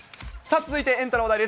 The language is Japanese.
続いて、エンタの話題です。